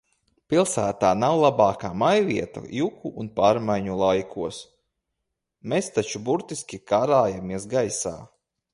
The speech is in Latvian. Pilsēta nav labākā mājvieta juku un pārmaiņu laikos. Mēs taču burtiski karājamies gaisā.